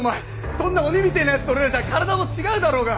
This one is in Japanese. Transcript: そんな鬼みてえなやつと俺らじゃあ体も違うだろうが。